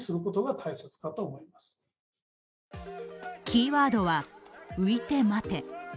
キーワードは、浮いて待て。